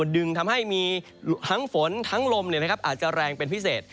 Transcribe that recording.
ดึงทำให้มีทั้งฝนทั้งลมอาจจะแรงเป็นพิเศษ